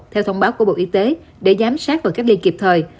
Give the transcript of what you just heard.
theo thông báo của bộ y tế để giám sát và cách ly kịp thời